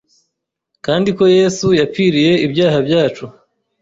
kandi ko Yesu yapfiriye ibyaha byacu